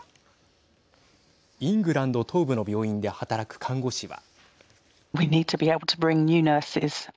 イングランド東部の病院で働く看護師は。